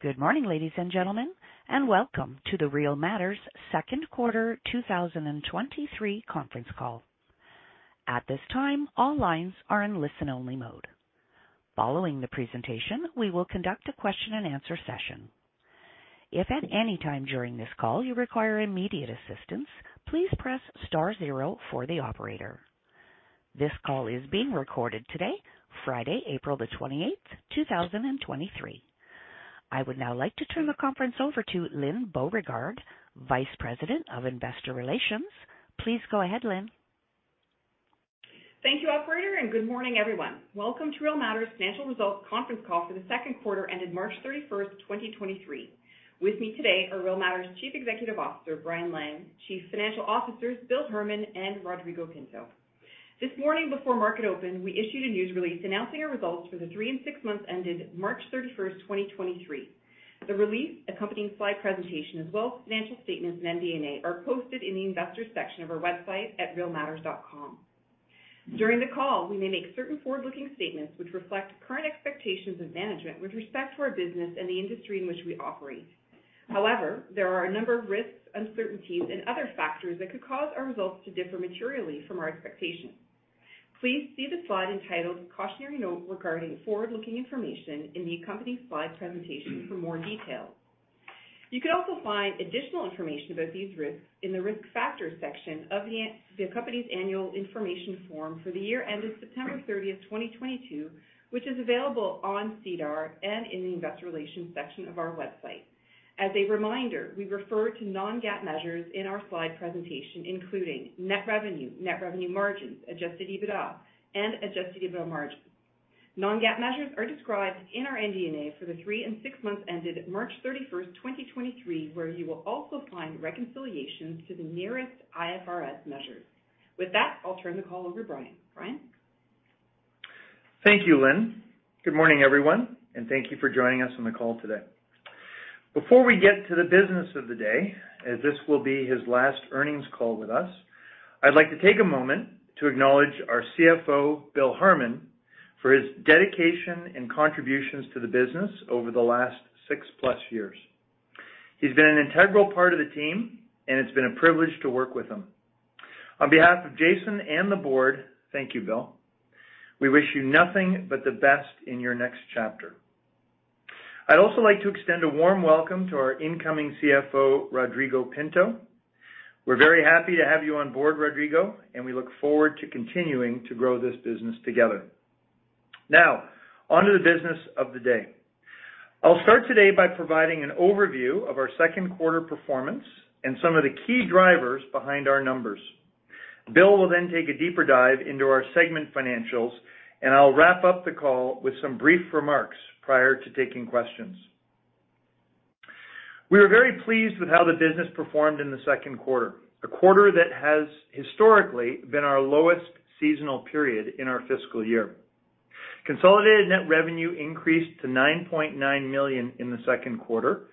Good morning, ladies and gentlemen, and welcome to the Real Matters Second Quarter 2023 Conference Call. At this time, all lines are in listen-only mode. Following the presentation, we will conduct a question-and-answer session. If at any time during this call you require immediate assistance, please press star zero for the operator. This call is being recorded today, Friday, April the 28th, 2023. I would now like to turn the conference over to Lyne Beauregard, Vice President of Investor Relations. Please go ahead, Lyne. Thank you, operator. Good morning, everyone. Welcome to Real Matters financial results conference call for the second quarter ended March 31st, 2023. With me today are Real Matters Chief Executive Officer Brian Lang, Chief Financial Officers Bill Herman and Rodrigo Pinto. This morning before market open, we issued a news release announcing our results for the three and six-months ended March 31st, 2023. The release accompanying slide presentation as well as financial statements in MD&A are posted in the investors section of our website at realmatters.com. During the call, we may make certain forward-looking statements which reflect current expectations of management with respect to our business and the industry in which we operate. However, there are a number of risks, uncertainties and other factors that could cause our results to differ materially from our expectations. Please see the slide entitled Cautionary Note regarding forward-looking information in the accompanying slide presentation for more details. You can also find additional information about these risks in the Risk Factors section of the company's annual information form for the year ended September 30, 2022, which is available on SEDAR and in the investor relations section of our website. As a reminder, we refer to non-GAAP measures in our slide presentation, including net revenue, net revenue margins, adjusted EBITDA and adjusted EBITDA margins. Non-GAAP measures are described in our MD&A for the three and six months ended March 31, 2023, where you will also find reconciliations to the nearest IFRS measures. With that, I'll turn the call over to Brian. Brian. Thank you, Lyne. Good morning, everyone, thank you for joining us on the call today. Before we get to the business of the day, as this will be his last earnings call with us, I'd like to take a moment to acknowledge our CFO, Bill Herman, for his dedication and contributions to the business over the last six-plus years. He's been an integral part of the team, it's been a privilege to work with him. On behalf of Jason and the board, thank you, Bill. We wish you nothing but the best in your next chapter. I'd also like to extend a warm welcome to our incoming CFO, Rodrigo Pinto. We're very happy to have you on board, Rodrigo, we look forward to continuing to grow this business together. Onto the business of the day. I'll start today by providing an overview of our second quarter performance and some of the key drivers behind our numbers. Bill will then take a deeper dive into our segment financials, and I'll wrap up the call with some brief remarks prior to taking questions. We are very pleased with how the business performed in the second quarter, a quarter that has historically been our lowest seasonal period in our fiscal year. Consolidated net revenue increased to $9.9 million in the second quarter,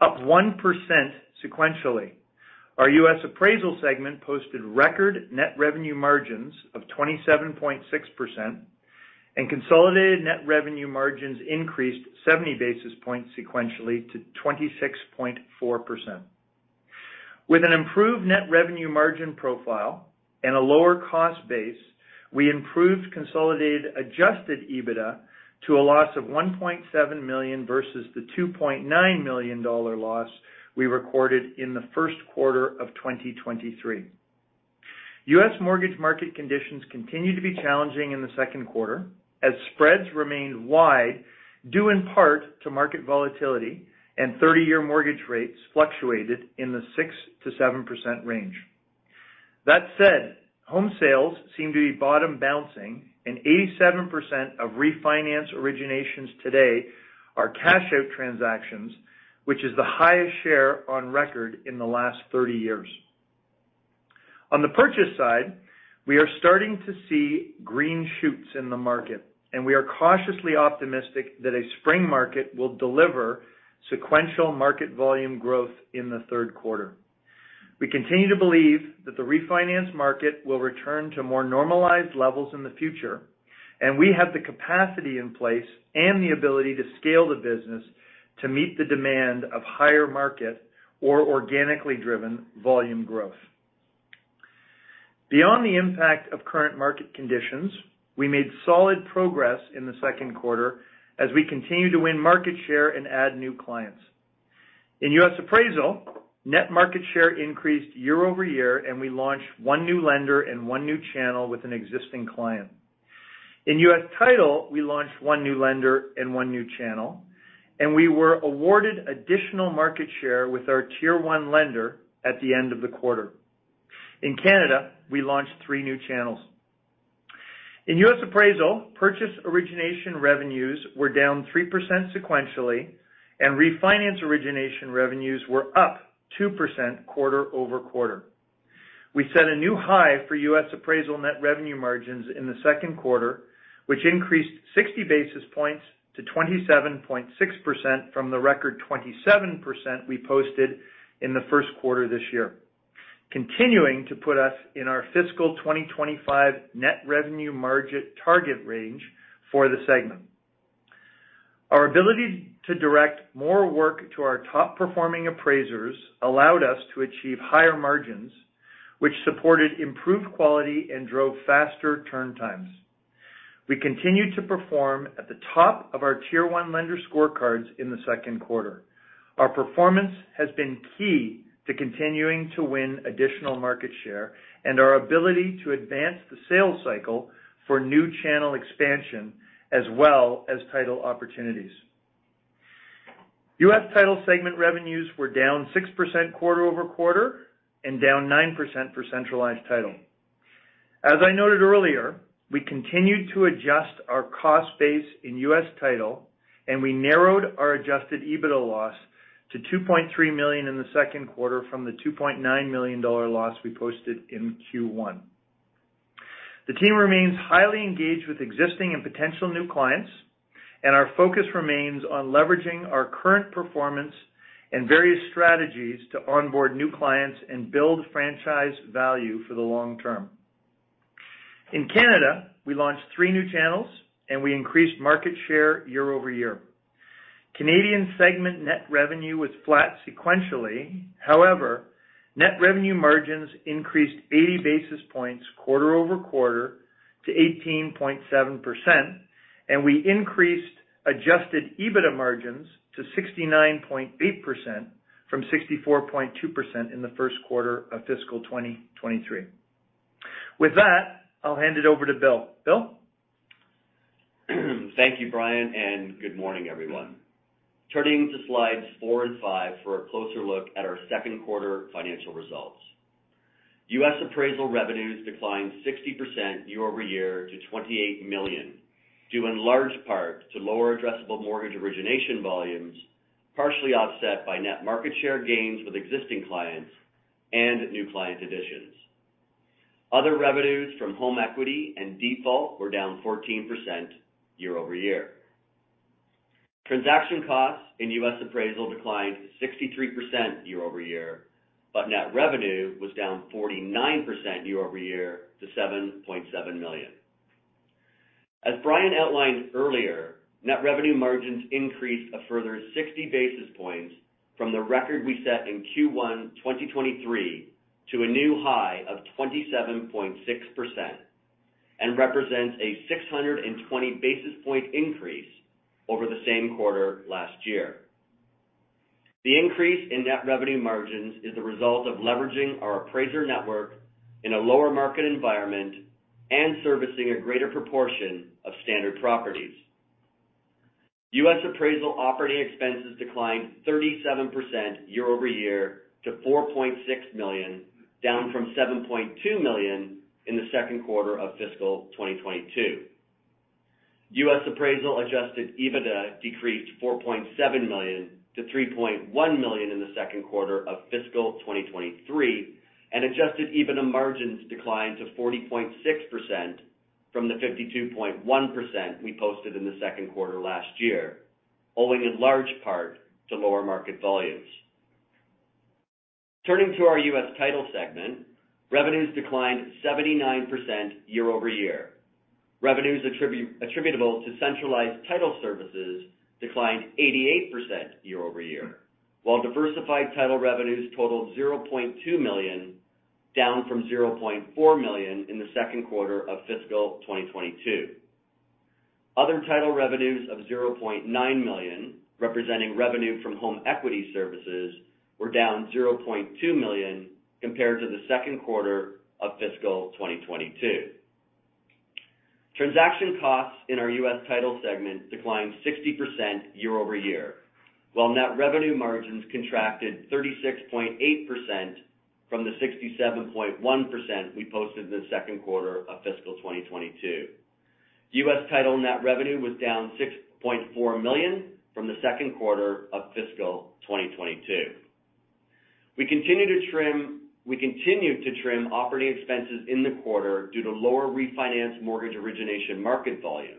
up 1% sequentially. Our US Appraisal segment posted record net revenue margins of 27.6%, and consolidated net revenue margins increased 70 basis points sequentially to 26.4%. With an improved net revenue margin profile and a lower cost base, we improved consolidated adjusted EBITDA to a loss of $1.7 million versus the $2.9 million loss we recorded in the first quarter of 2023. U.S. mortgage market conditions continued to be challenging in the second quarter as spreads remained wide due in part to market volatility and 30-year mortgage rates fluctuated in the 6%-7% range. That said, home sales seem to be bottom bouncing and 87% of refinance originations today are cash out transactions, which is the highest share on record in the last 30 years. On the purchase side, we are starting to see green shoots in the market, we are cautiously optimistic that a spring market will deliver sequential market volume growth in the third quarter. We continue to believe that the refinance market will return to more normalized levels in the future. We have the capacity in place and the ability to scale the business to meet the demand of higher market or organically driven volume growth. Beyond the impact of current market conditions, we made solid progress in the second quarter as we continue to win market share and add new clients. In U.S. Appraisal, net market share increased year-over-year. We launched one new lender and one new channel with an existing client. In U.S. Title, we launched one new lender and one new channel. We were awarded additional market share with our tier-one lender at the end of the quarter. In Canada, we launched three new channels. In U.S. Appraisal, purchase origination revenues were down 3% sequentially, and refinance origination revenues were up 2% quarter-over-quarter. We set a new high for U.S. Appraisal net revenue margins in the second quarter, which increased 60 basis points to 27.6% from the record 27% we posted in the first quarter this year. Continuing to put us in our fiscal 2025 net revenue margin target range for the segment. Our ability to direct more work to our top-performing appraisers allowed us to achieve higher margins, which supported improved quality and drove faster turn times. We continued to perform at the top of our tier-one lender scorecards in the second quarter. Our performance has been key to continuing to win additional market share and our ability to advance the sales cycle for new channel expansion as well as title opportunities. U.S. Title segment revenues were down 6% quarter-over-quarter and down 9% for centralized title. As I noted earlier, we continued to adjust our cost base in U.S. Title, and we narrowed our adjusted EBITDA loss to $2.3 million in the second quarter from the $2.9 million loss we posted in Q1. The team remains highly engaged with existing and potential new clients, and our focus remains on leveraging our current performance and various strategies to onboard new clients and build franchise value for the long term. In Canada, we launched three new channels, and we increased market share year-over-year. Canadian segment net revenue was flat sequentially. However, net revenue margins increased 80 basis points quarter-over-quarter to 18.7%, and we increased adjusted EBITDA margins to 69.8% from 64.2% in the first quarter of fiscal 2023. With that, I'll hand it over to Bill. Bill? Thank you, Brian. Good morning, everyone. Turning to slides 4 and 5 for a closer look at our second quarter financial results. U.S. Appraisal revenues declined 60% year-over-year to $28 million, due in large part to lower addressable mortgage origination volumes, partially offset by net market share gains with existing clients and new client additions. Other revenues from home equity and default were down 14% year-over-year. Transaction costs in U.S. Appraisal declined 63% year-over-year, but net revenue was down 49% year-over-year to $7.7 million. As Brian outlined earlier, net revenue margins increased a further 60 basis points from the record we set in Q1 2023 to a new high of 27.6% and represents a 620 basis point increase over the same quarter last year. The increase in net revenue margins is the result of leveraging our appraiser network in a lower market environment and servicing a greater proportion of standard properties. U.S. Appraisal operating expenses declined 37% year-over-year to $4.6 million, down from $7.2 million in the second quarter of fiscal 2022. U.S. Appraisal adjusted EBITDA decreased $4.7 million to $3.1 million in the second quarter of fiscal 2023. Adjusted EBITDA margins declined to 40.6% from the 52.1% we posted in the second quarter last year, owing in large part to lower market volumes. Turning to our U.S. Title segment, revenues declined 79% year-over-year. Revenues attributable to centralized title services declined 88% year-over-year, while diversified title revenues totaled $0.2 million, down from $0.4 million in the second quarter of fiscal 2022. Other title revenues of $0.9 million, representing revenue from home equity services, were down $0.2 million compared to the second quarter of fiscal 2022. Transaction costs in our U.S. Title segment declined 60% year-over-year, while net revenue margins contracted 36.8% from the 67.1% we posted in the second quarter of fiscal 2022. U.S. Title net revenue was down $6.4 million from the second quarter of fiscal 2022. We continue to trim operating expenses in the quarter due to lower refinance mortgage origination market volumes.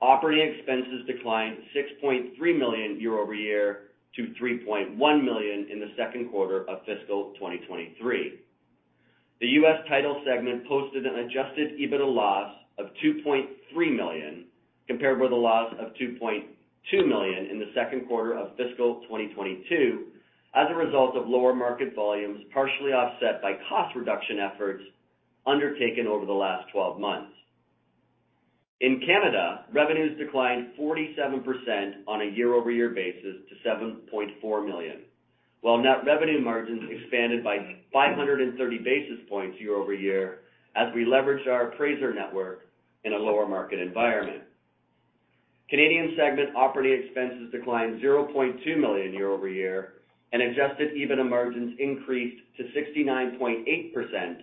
Operating expenses declined $6.3 million year-over-year to $3.1 million in the second quarter of fiscal 2023. The U.S. Title segment posted an adjusted EBITDA loss of $2.3 million, compared with a loss of $2.2 million in the second quarter of fiscal 2022, as a result of lower market volumes, partially offset by cost reduction efforts undertaken over the last 12 months. In Canada, revenues declined 47% on a year-over-year basis to 7.4 million, while net revenue margins expanded by 530 basis points year-over-year as we leveraged our appraiser network in a lower market environment. Canadian segment operating expenses declined 0.2 million year-over-year, and adjusted EBITDA margins increased to 69.8%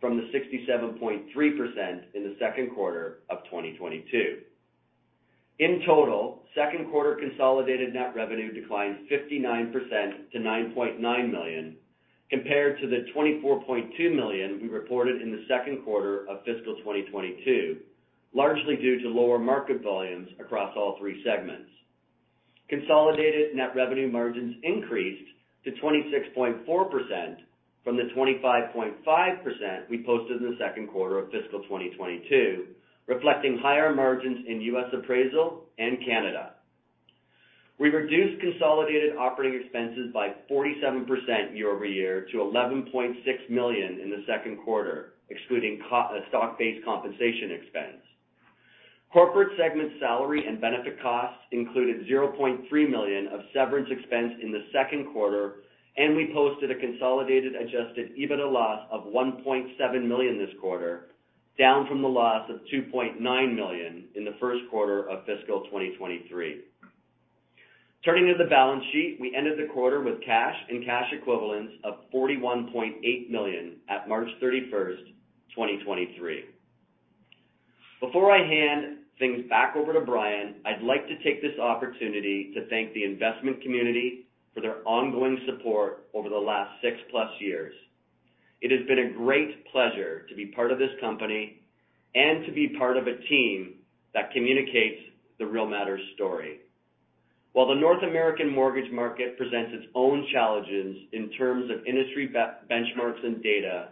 from the 67.3% in the second quarter of 2022. In total, second quarter consolidated net revenue declined 59% to $9.9 million, compared to the $24.2 million we reported in the second quarter of fiscal 2022, largely due to lower market volumes across all three segments. Consolidated net revenue margins increased to 26.4% from the 25.5% we posted in the second quarter of fiscal 2022, reflecting higher margins in U.S. Appraisal and Canada. We reduced consolidated operating expenses by 47% year-over-year to $11.6 million in the second quarter, excluding stock-based compensation expense. Corporate segment salary and benefit costs included $0.3 million of severance expense in the second quarter, and we posted a consolidated adjusted EBITDA loss of $1.7 million this quarter, down from the loss of $2.9 million in the first quarter of fiscal 2023. Turning to the balance sheet. We ended the quarter with cash and cash equivalents of $41.8 million at March 31st, 2023. Before I hand things back over to Brian Lang, I'd like to take this opportunity to thank the investment community for their ongoing support over the last 6+ years. It has been a great pleasure to be part of this company and to be part of a team that communicates the Real Matters story. While the North American mortgage market presents its own challenges in terms of industry benchmarks and data,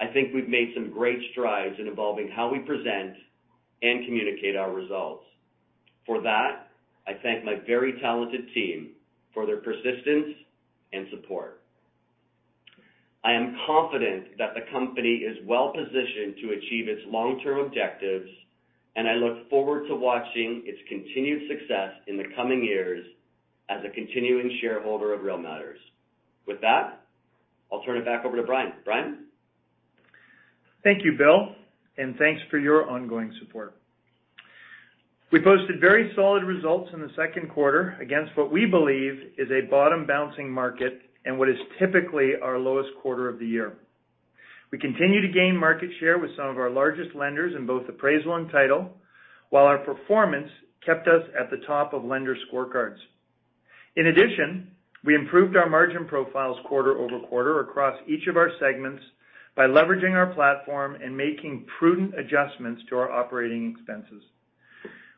I think we've made some great strides in evolving how we present and communicate our results. With that, I thank my very talented team for their persistence and support. I am confident that the company is well-positioned to achieve its long-term objectives. I look forward to watching its continued success in the coming years as a continuing shareholder of Real Matters. With that, I'll turn it back over to Brian. Brian? Thank you, Bill, and thanks for your ongoing support. We posted very solid results in the second quarter against what we believe is a bottom-bouncing market and what is typically our lowest quarter of the year. We continue to gain market share with some of our largest lenders in both appraisal and title, while our performance kept us at the top of lender scorecards. In addition, we improved our margin profiles quarter-over-quarter across each of our segments by leveraging our platform and making prudent adjustments to our operating expenses.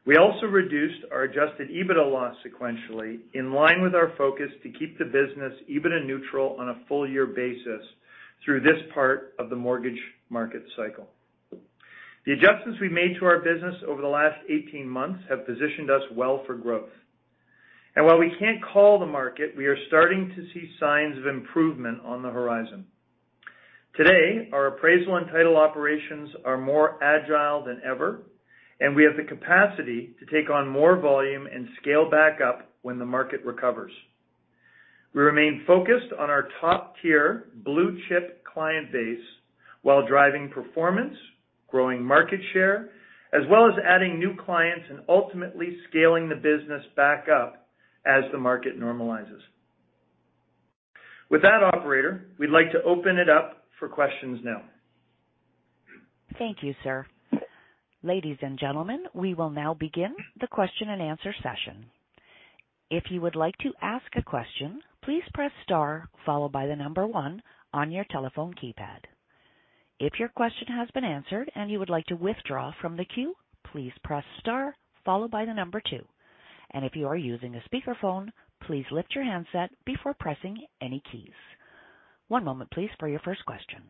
We also reduced our adjusted EBITDA loss sequentially, in line with our focus to keep the business EBITDA neutral on a full year basis through this part of the mortgage market cycle. The adjustments we made to our business over the last 18 months have positioned us well for growth. While we can't call the market, we are starting to see signs of improvement on the horizon. Today, our appraisal and title operations are more agile than ever, and we have the capacity to take on more volume and scale back up when the market recovers. We remain focused on our top-tier blue-chip client base while driving performance, growing market share, as well as adding new clients and ultimately scaling the business back up as the market normalizes. With that operator, we'd like to open it up for questions now. Thank you, sir. Ladies and gentlemen, we will now begin the question-and-answer session. If you would like to ask a question, please press star followed by the one on your telephone keypad. If your question has been answered and you would like to withdraw from the queue, please press star followed by the two. If you are using a speakerphone, please lift your handset before pressing any keys. One moment please for your first question.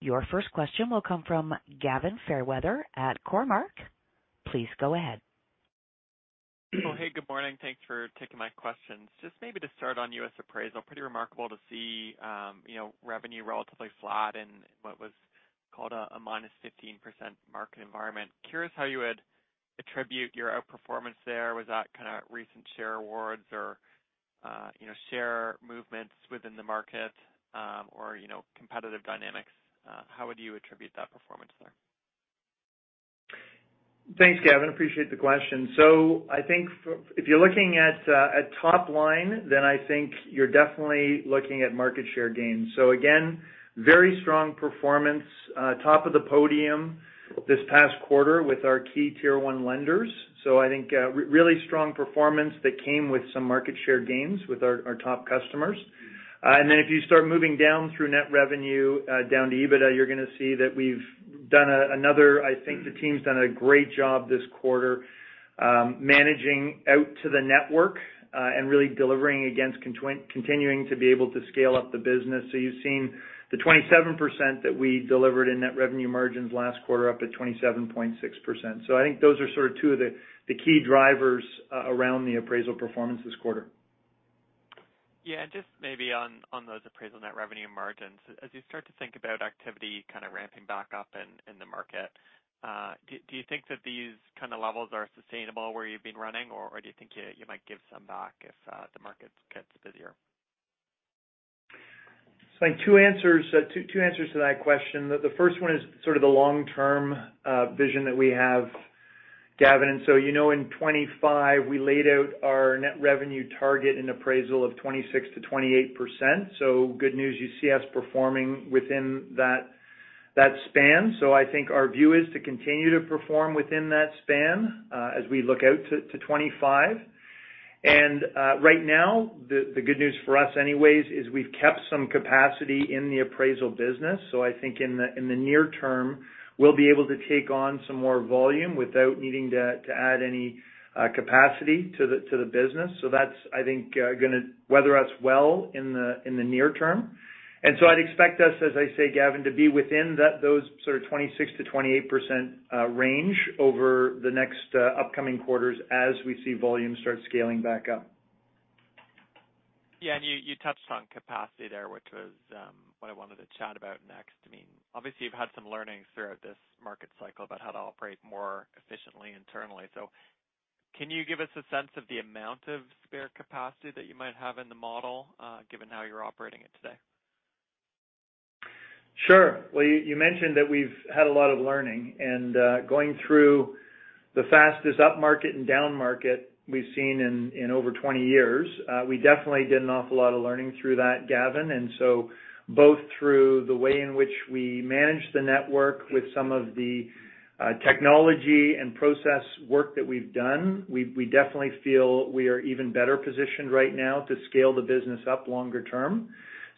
Your first question will come from Gavin Fairweather at Cormark. Please go ahead. Well, hey, good morning. Thanks for taking my questions. Just maybe to start on U.S. Appraisal, pretty remarkable to see, you know, revenue relatively flat in what was called a minus 15% market environment. Curious how you would attribute your outperformance there. Was that kind of recent share awards or, you know, share movements within the market, or, you know, competitive dynamics? How would you attribute that performance there? Thanks, Gavin. Appreciate the question. I think if you're looking at top line, then I think you're definitely looking at market share gains. Again, very strong performance, top of the podium this past quarter with our key tier one lenders. I think really strong performance that came with some market share gains with our top customers. And then if you start moving down through net revenue, down to EBITDA, you're going to see that we've done I think the team's done a great job this quarter, managing out to the network and really delivering against continuing to be able to scale up the business. You've seen the 27% that we delivered in net revenue margins last quarter, up to 27.6%. I think those are sort of two of the key drivers around the appraisal performance this quarter. Yeah. Just maybe on those appraisal net revenue margins. As you start to think about activity kind of ramping back up in the market, do you think that these kind of levels are sustainable where you've been running, or do you think you might give some back if the market gets busier? I think two answers to that question. The first one is sort of the long-term vision that we have, Gavin. You know, in 2025, we laid out our net revenue target and appraisal of 26%-28%. Good news, you see us performing within that span. I think our view is to continue to perform within that span as we look out to 2025. Right now, the good news for us anyways is we've kept some capacity in the appraisal business. I think in the near term, we'll be able to take on some more volume without needing to add any capacity to the business. That's, I think, gonna weather us well in the near term. I'd expect us, as I say, Gavin, to be within those sort of 26%-28% range over the next upcoming quarters as we see volumes start scaling back up. Yeah. You, you touched on capacity there, which was what I wanted to chat about next. I mean, obviously, you've had some learnings throughout this market cycle about how to operate more efficiently internally. Can you give us a sense of the amount of spare capacity that you might have in the model, given how you're operating it today? Sure. Well, you mentioned that we've had a lot of learning. Going through the fastest up market and down market we've seen in over 20 years, we definitely did an awful lot of learning through that, Gavin. Both through the way in which we managed the network with some of the technology and process work that we've done, we definitely feel we are even better positioned right now to scale the business up longer term.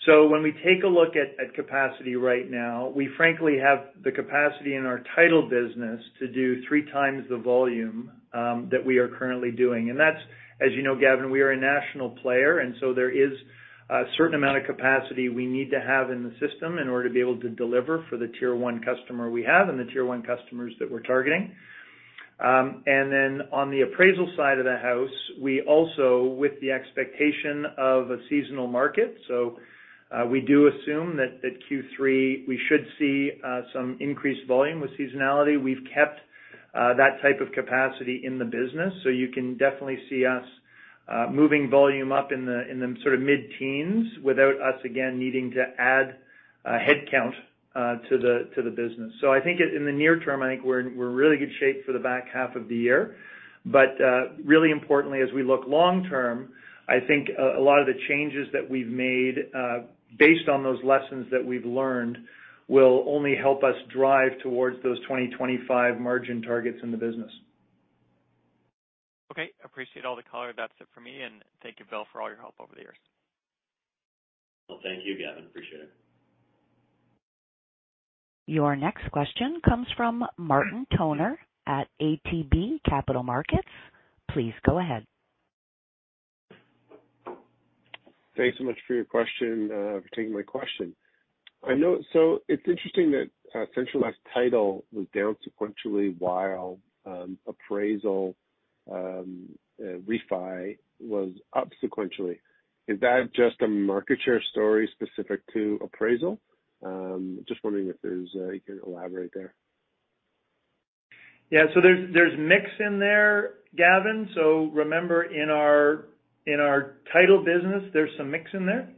When we take a look at capacity right now, we frankly have the capacity in our title business to do 3x the volume that we are currently doing. That's as you know, Gavin, we are a national player, so there is a certain amount of capacity we need to have in the system in order to be able to deliver for the Tier 1 customer we have and the Tier 1 customers that we're targeting. Then on the appraisal side of the house, we also with the expectation of a seasonal market. We do assume that Q3, we should see, some increased volume with seasonality. We've kept, that type of capacity in the business. You can definitely see us, moving volume up in the, in the sort of mid-teens without us again needing to add, headcount, to the business. I think in the near term, I think we're in really good shape for the back half of the year. Really importantly, as we look long term, I think a lot of the changes that we've made, based on those lessons that we've learned will only help us drive towards those 2025 margin targets in the business. Okay. Appreciate all the color. That's it for me. Thank you, Bill, for all your help over the years. Well, thank you, Gavin. Appreciate it. Your next question comes from Martin Toner at ATB Capital Markets. Please go ahead. Thanks so much for your question, for taking my question. It's interesting that centralized title was down sequentially while appraisal refi was up sequentially. Is that just a market share story specific to appraisal? Just wondering if there's, you can elaborate there. Yeah. There's mix in there, Gavin. Remember in our, in our title business, there's some mix in there.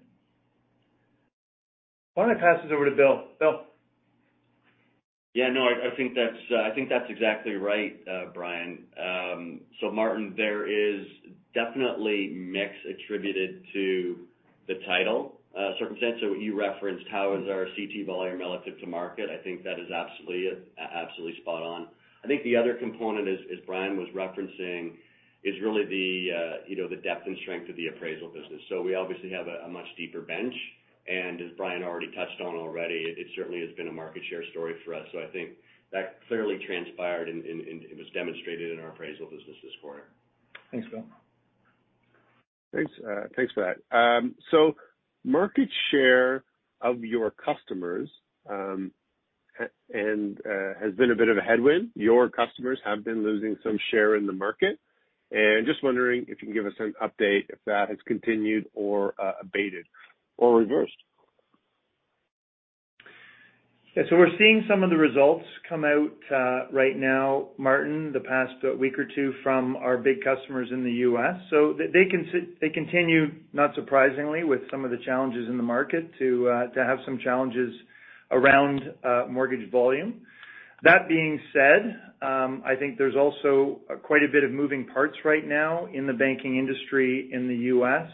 Why don't I pass this over to Bill. Bill? Yeah, no, I think that's, I think that's exactly right, Brian. Martin, there is definitely mix attributed to the title, circumstance. You referenced how is our CT volume relative to market. I think that is absolutely spot on. I think the other component as Brian was referencing, is really the, you know, the depth and strength of the appraisal business. We obviously have a much deeper bench. As Brian already touched on already, it certainly has been a market share story for us. I think that clearly transpired and it was demonstrated in our appraisal business this quarter. Thanks, Bill. Thanks, thanks for that. Market share of your customers has been a bit of a headwind. Your customers have been losing some share in the market. Just wondering if you can give us an update if that has continued or abated or reversed. Yeah. We're seeing some of the results come out right now, Martin, the past week or two from our big customers in the U.S. They continue, not surprisingly, with some of the challenges in the market to have some challenges around mortgage volume. That being said, I think there's also quite a bit of moving parts right now in the banking industry in the U.S.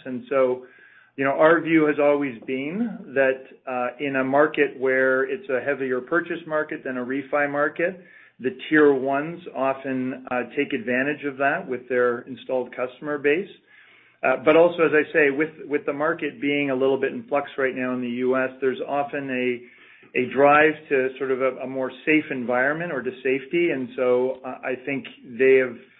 You know, our view has always been that in a market where it's a heavier purchase market than a refi market, the tier ones often take advantage of that with their installed customer base. Also, as I say, with the market being a little bit in flux right now in the U.S., there's often a drive to sort of a more safe environment or to safety. I think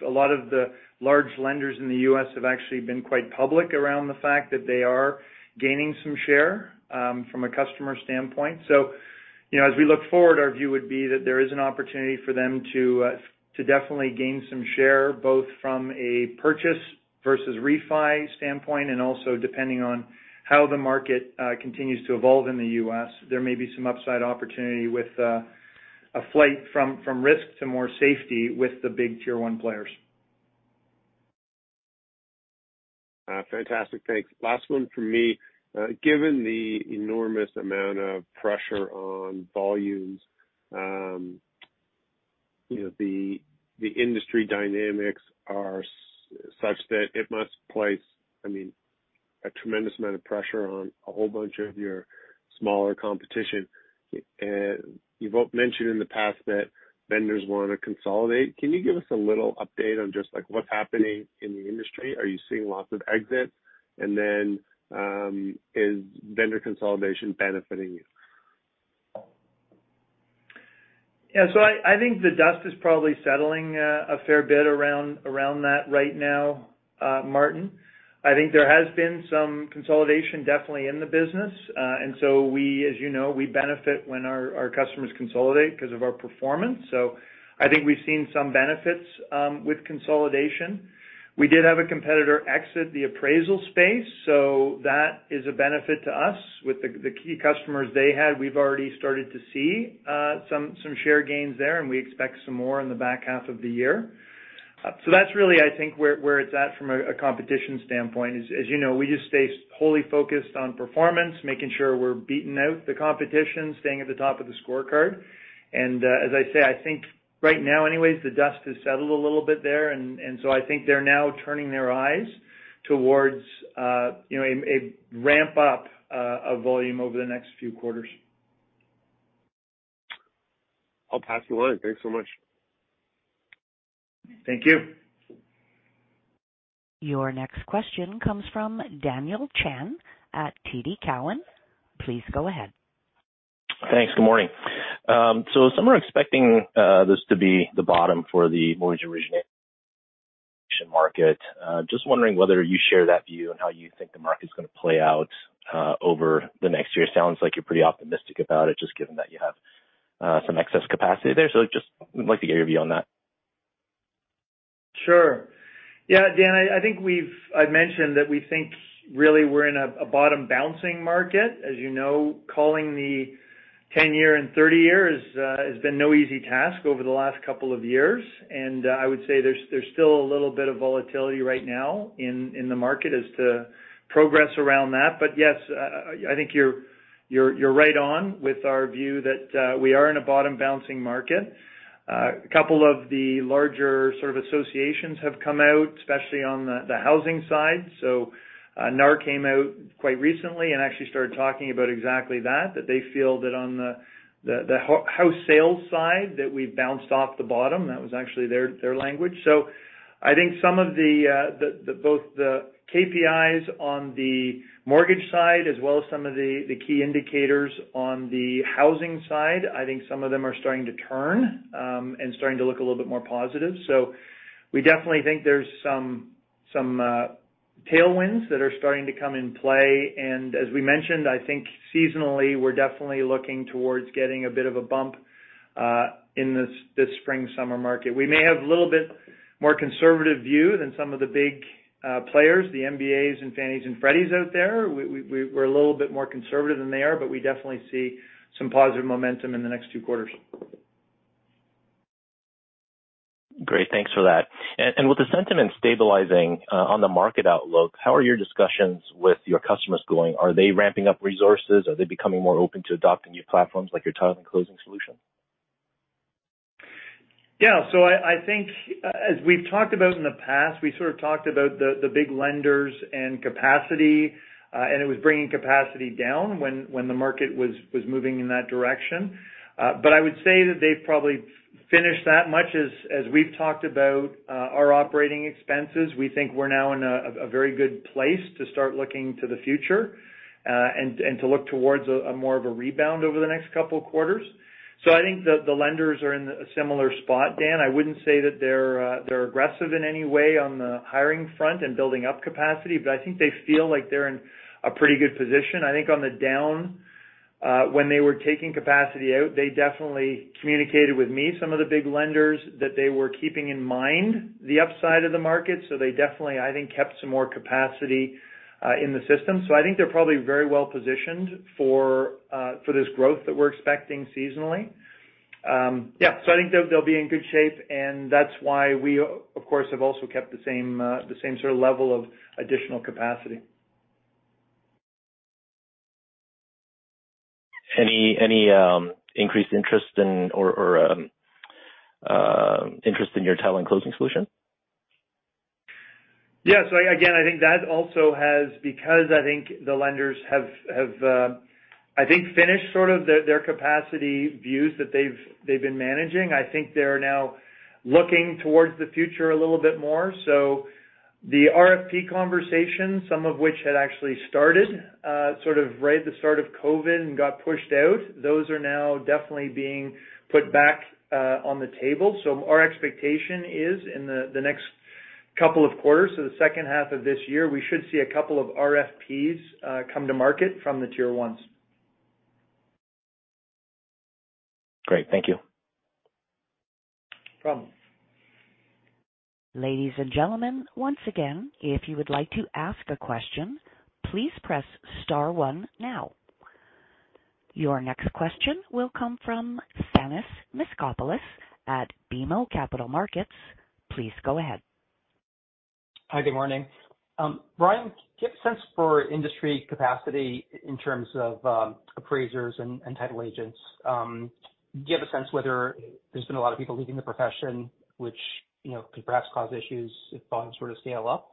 a lot of the large lenders in the U.S. have actually been quite public around the fact that they are gaining some share from a customer standpoint. You know, as we look forward, our view would be that there is an opportunity for them to definitely gain some share, both from a purchase versus refi standpoint, and also depending on how the market continues to evolve in the U.S. There may be some upside opportunity with a flight from risk to more safety with the big tier one players. Fantastic. Thanks. Last one for me. Given the enormous amount of pressure on volumes, you know, the industry dynamics are such that it must place, I mean, a tremendous amount of pressure on a whole bunch of your smaller competition. You've mentioned in the past that vendors wanna consolidate. Can you give us a little update on just like what's happening in the industry? Are you seeing lots of exits? Is vendor consolidation benefiting you? I think the dust is probably settling a fair bit around that right now, Martin. There has been some consolidation definitely in the business. We, as you know, we benefit when our customers consolidate 'cause of our performance. I think we've seen some benefits with consolidation. We did have a competitor exit the appraisal space, so that is a benefit to us. With the key customers they had, we've already started to see some share gains there, and we expect some more in the back half of the year. That's really, I think, where it's at from a competition standpoint. As you know, we just stay wholly focused on performance, making sure we're beating out the competition, staying at the top of the scorecard. As I say, I think right now anyways, the dust has settled a little bit there, and so I think they're now turning their eyes towards, you know, a ramp up of volume over the next few quarters. I'll pass the line. Thanks so much. Thank you. Your next question comes from Daniel Chan at TD Cowen. Please go ahead. Thanks. Good morning. Some are expecting this to be the bottom for the mortgage origination market. Just wondering whether you share that view and how you think the market's gonna play out over the next year? Sounds like you're pretty optimistic about it, just given that you have some excess capacity there. Just would like to get your view on that. Sure. Yeah, Dan, I've mentioned that we think really we're in a bottom bouncing market. As you know, calling the 10-year and 30-year has been no easy task over the last couple of years. I would say there's still a little bit of volatility right now in the market as to progress around that. Yes, I think you're right on with our view that we are in a bottom bouncing market. A couple of the larger sort of associations have come out, especially on the housing side. NAR came out quite recently and actually started talking about exactly that they feel that on the house sales side, that we've bounced off the bottom. That was actually their language. I think some of the, both the KPIs on the mortgage side as well as some of the key indicators on the housing side, I think some of them are starting to turn and starting to look a little bit more positive. We definitely think there's some tailwinds that are starting to come in play. As we mentioned, I think seasonally, we're definitely looking towards getting a bit of a bump in this spring, summer market. We may have a little bit more conservative view than some of the big players, the MBAs and Fannies and Freddies out there. We're a little bit more conservative than they are, but we definitely see some positive momentum in the next two quarters. Great. Thanks for that. With the sentiment stabilizing, on the market outlook, how are your discussions with your customers going? Are they ramping up resources? Are they becoming more open to adopting new platforms like your title and closing solution? Yeah. I think as we've talked about in the past, we sort of talked about the big lenders and capacity, and it was bringing capacity down when the market was moving in that direction. I would say that they've probably finished that much. As we've talked about, our operating expenses, we think we're now in a very good place to start looking to the future, and to look towards a more of a rebound over the next two quarters. I think the lenders are in a similar spot, Dan. I wouldn't say that they're aggressive in any way on the hiring front and building up capacity, but I think they feel like they're in a pretty good position. I think on the down, when they were taking capacity out, they definitely communicated with me some of the big lenders that they were keeping in mind the upside of the market. They definitely, I think, kept some more capacity in the system. I think they're probably very well-positioned for this growth that we're expecting seasonally. Yeah. I think they'll be in good shape, and that's why we of course, have also kept the same, the same sort of level of additional capacity. Any increased interest in or interest in your title and closing solution? Yes. Again, I think that also because I think the lenders have, I think finished sort of their capacity views that they've been managing. I think they're now looking towards the future a little bit more. The RFP conversation, some of which had actually started sort of right the start of COVID and got pushed out, those are now definitely being put back on the table. Our expectation is in the next couple of quarters. The second half of this year, we should see a couple of RFPs come to market from the tier ones. Great. Thank you. No problem. Ladies and gentlemen, once again, if you would like to ask a question, please press star one now. Your next question will come from Thanos Moschopoulos at BMO Capital Markets. Please go ahead. Hi, good morning. Brian, get a sense for industry capacity in terms of appraisers and title agents. Do you have a sense whether there's been a lot of people leaving the profession, you know, could perhaps cause issues if bonds were to scale up?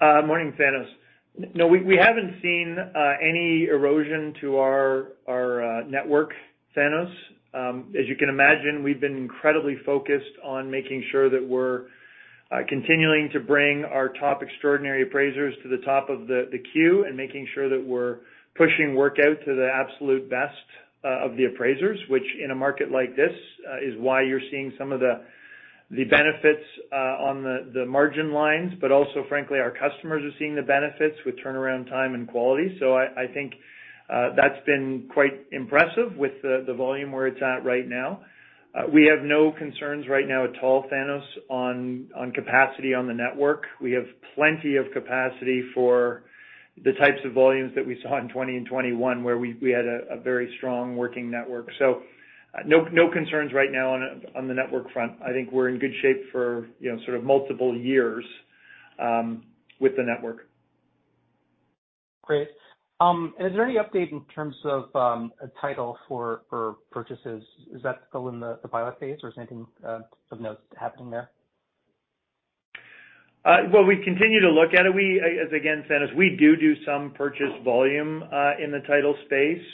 Morning, Thanos. No, we haven't seen any erosion to our network, Thanos. As you can imagine, we've been incredibly focused on making sure that we're continuing to bring our top extraordinary appraisers to the top of the queue and making sure that we're pushing work out to the absolute best of the appraisers, which in a market like this, is why you're seeing some of the benefits on the margin lines. Also, frankly, our customers are seeing the benefits with turnaround time and quality. I think that's been quite impressive with the volume where it's at right now. We have no concerns right now at all, Thanos, on capacity on the network. We have plenty of capacity for the types of volumes that we saw in 2020 and 2021, where we had a very strong working network. No concerns right now on the network front. I think we're in good shape for, you know, sort of multiple years with the network. Great. Is there any update in terms of a title for purchases? Is that still in the pilot phase or is anything of note happening there? Well, we continue to look at it. As again, Thanos, we do some purchase volume in the title space.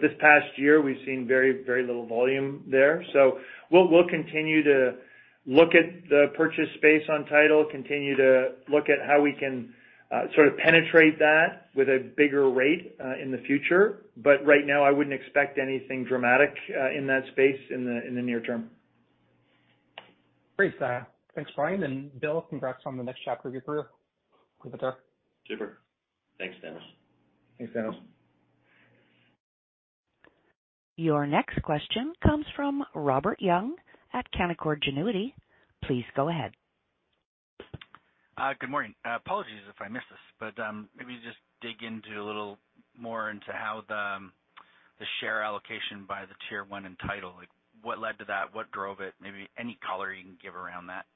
This past year, we've seen very, very little volume there. We'll continue to look at the purchase space on title, continue to look at how we can sort of penetrate that with a bigger rate in the future. Right now, I wouldn't expect anything dramatic in that space in the near term. Great. Thanks, Brian. Bill, congrats on the next chapter of your career. Good luck there. Super. Thanks, Thanos. Thanks, Thanos. Your next question comes from Robert Young at Canaccord Genuity. Please go ahead. Good morning. Apologies if I missed this, but maybe just dig into a little more into how the share allocation by the Tier 1 in title. Like, what led to that? What drove it? Maybe any color you can give around that.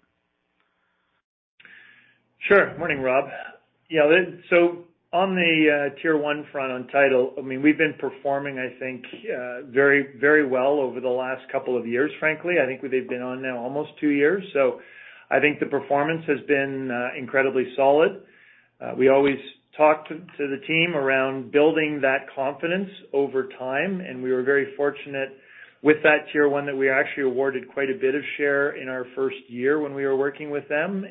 Sure. Morning, Rob. Yeah. On the Tier 1 front on title, I mean, we've been performing, I think, very, very well over the last two years, frankly. I think they've been on now almost two years. I think the performance has been incredibly solid. We always talk to the team around building that confidence over time, and we were very fortunate with that Tier 1 that we actually awarded quite a bit of share in our first year when we were working with them.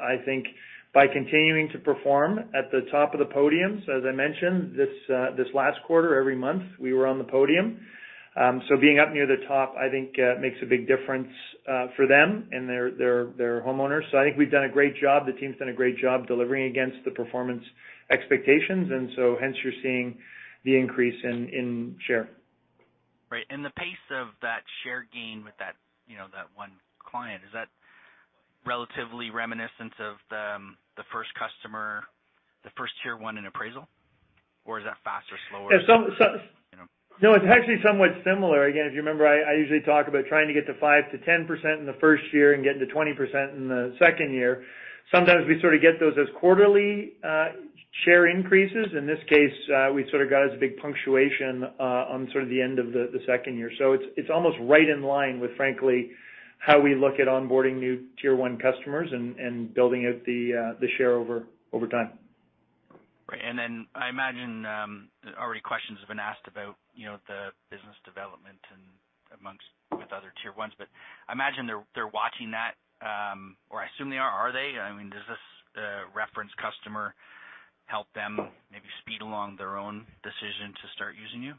I think by continuing to perform at the top of the podiums, as I mentioned this last quarter, every month, we were on the podium. Being up near the top, I think, makes a big difference for them and their homeowners. I think we've done a great job. The team's done a great job delivering against the performance expectations. Hence you're seeing the increase in share. Right. The pace of that share gain with that, you know, that one client, is that relatively reminiscent of the first customer, the first Tier 1 ne in appraisal, or is that faster, slower? Yeah. No, it's actually somewhat similar. Again, if you remember, I usually talk about trying to get to 5%-10% in the first year and get to 20% in the second year. Sometimes we sort of get those as quarterly share increases. In this case, we sort of got as a big punctuation on sort of the end of the second year. It's almost right in line with, frankly, how we look at onboarding new Tier 1 customers and building out the share over time. Right. I imagine, already questions have been asked about, you know, the business development and amongst with other Tier 1s. I imagine they're watching that, or I assume they are. Are they? I mean, does this reference customer help them maybe speed along their own decision to start using you?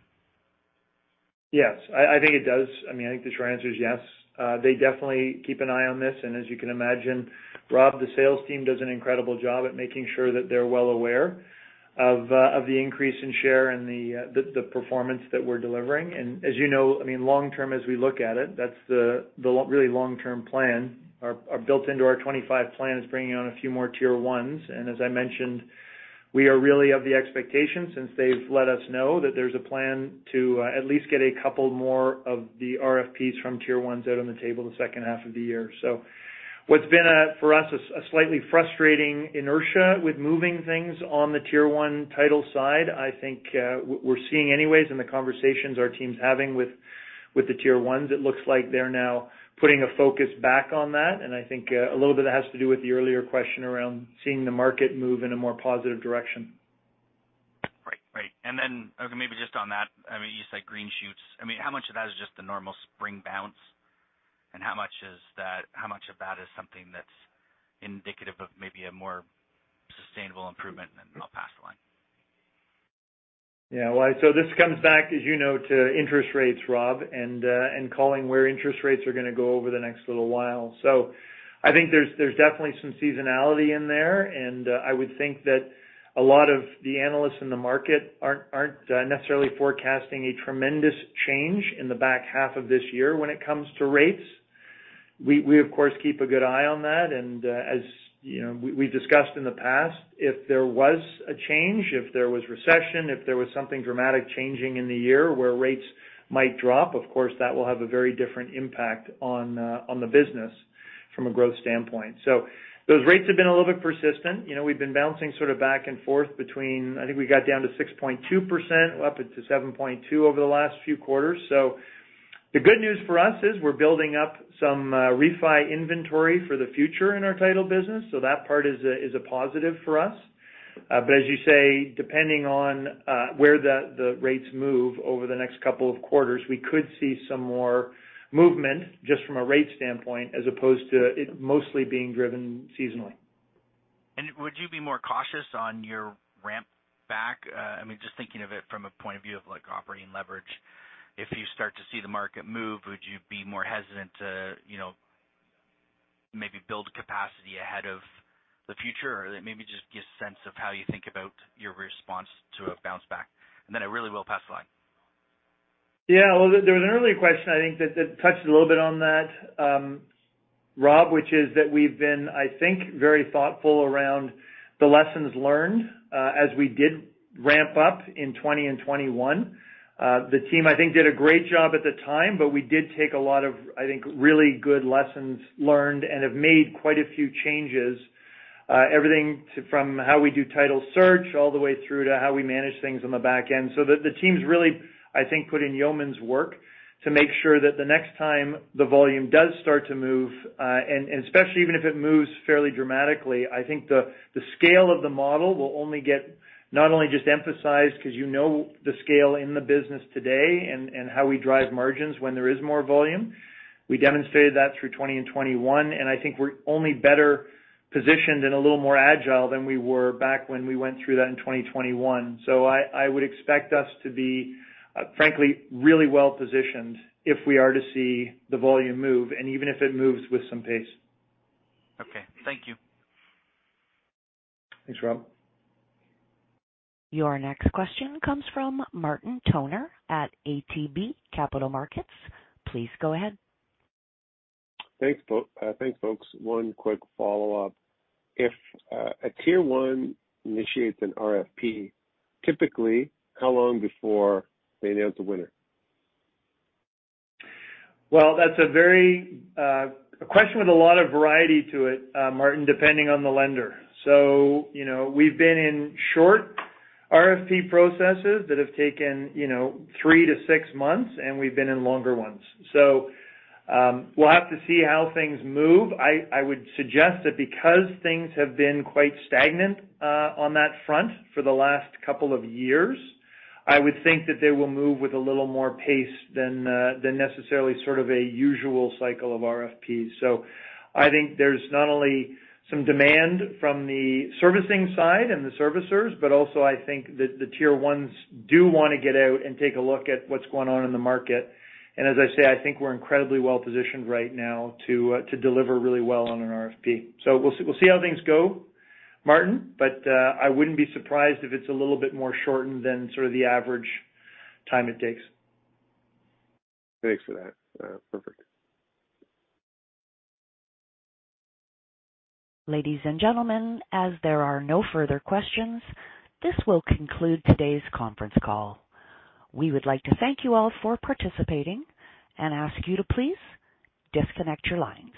Yes, I think it does. I mean, I think the short answer is yes. They definitely keep an eye on this. As you can imagine, Rob, the sales team does an incredible job at making sure that they're well aware of the increase in share and the performance that we're delivering. As you know, I mean, long term, as we look at it, that's the really long-term plan built into our 2025 plan is bringing on a few more Tier 1s. As I mentioned, we are really of the expectation since they've let us know that there's a plan to at least get a couple more of the RFPs from Tier Ones out on the table the second half of the year. What's been for us, a slightly frustrating inertia with moving things on the Tier 1 title side, I think, we're seeing anyways in the conversations our team's having with the Tier 1s. It looks like they're now putting a focus back on that. I think, a little bit of that has to do with the earlier question around seeing the market move in a more positive direction. Right. Okay, maybe just on that, I mean, you said green shoots. I mean, how much of that is just the normal spring bounce, and how much of that is something that's indicative of maybe a more sustainable improvement? I'll pass the line. Yeah. Well, this comes back, as you know, to interest rates, Rob, and calling where interest rates are gonna go over the next little while. I think there's definitely some seasonality in there. I would think that a lot of the analysts in the market aren't necessarily forecasting a tremendous change in the back half of this year when it comes to rates. We of course keep a good eye on that. As, you know, we've discussed in the past, if there was a change, if there was recession, if there was something dramatic changing in the year where rates might drop, of course, that will have a very different impact on the business. From a growth standpoint. Those rates have been a little bit persistent. You know, we've been bouncing sort of back and forth between, I think we got down to 6.2%, up into 7.2% over the last few quarters. The good news for us is we're building up some refi inventory for the future in our title business. That part is a positive for us. As you say, depending on where the rates move over the next couple of quarters, we could see some more movement just from a rate standpoint, as opposed to it mostly being driven seasonally. Would you be more cautious on your ramp back? I mean, just thinking of it from a point of view of like operating leverage. If you start to see the market move, would you be more hesitant to, you know, maybe build capacity ahead of the future? Or maybe just give a sense of how you think about your response to a bounce back. I really will pass the line. Yeah. Well, there was an earlier question I think that touched a little bit on that, Rob, which is that we've been, I think, very thoughtful around the lessons learned, as we did ramp up in 2020 and 2021. The team, I think, did a great job at the time, but we did take a lot of, I think, really good lessons learned and have made quite a few changes, everything from how we do title search all the way through to how we manage things on the back end. The team's really, I think, put in yeoman's work to make sure that the next time the volume does start to move, and especially even if it moves fairly dramatically, I think the scale of the model will only get not only just emphasized because you know the scale in the business today and how we drive margins when there is more volume. We demonstrated that through 2020 and 2021, and I think we're only better positioned and a little more agile than we were back when we went through that in 2021. I would expect us to be, frankly, really well-positioned if we are to see the volume move, and even if it moves with some pace. Okay. Thank you. Thanks, Rob. Your next question comes from Martin Toner at ATB Capital Markets. Please go ahead. Thanks, folks. One quick follow-up. If a tier one initiates an RFP, typically, how long before they announce a winner? Well, that's a very, a question with a lot of variety to it, Martin, depending on the lender. You know, we've been in short RFP processes that have taken, you know, three to six months, and we've been in longer ones. We'll have to see how things move. I would suggest that because things have been quite stagnant, on that front for the last two years, I would think that they will move with a little more pace than necessarily sort of a usual cycle of RFPs. I think there's not only some demand from the servicing side and the servicers, but also I think that the tier ones do wanna get out and take a look at what's going on in the market. As I say, I think we're incredibly well-positioned right now to to deliver really well on an RFP. We'll see, we'll see how things go, Martin, but I wouldn't be surprised if it's a little bit more shortened than sort of the average time it takes. Thanks for that. Perfect. Ladies and gentlemen, as there are no further questions, this will conclude today's conference call. We would like to thank you all for participating and ask you to please disconnect your lines.